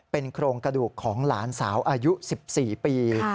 เป็นโครงกระดูกของหลานสาวอายุ๑๔ปี